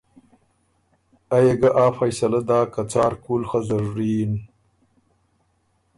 ائ يې ګۀ آ فیصلۀ داک که څار کُول خه ضروري یِن